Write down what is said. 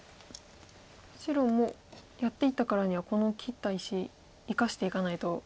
白もやっていったからにはこの切った石生かしていかないと。